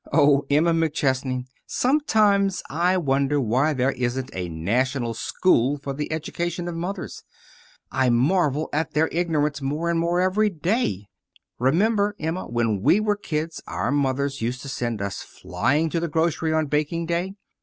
"Oh, Emma McChesney, sometimes I wonder why there isn't a national school for the education of mothers. I marvel at their ignorance more and more every day. Remember, Emma, when we were kids our mothers used to send us flying to the grocery on baking day?